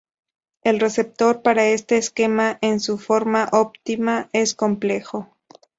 El receptor para este esquema en su forma óptima es complejo.